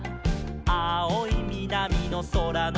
「あおいみなみのそらのした」